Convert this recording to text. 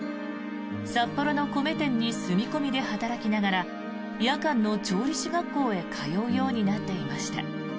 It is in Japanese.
札幌の米店に住み込みで働きながら夜間の調理師学校へ通うようになっていました。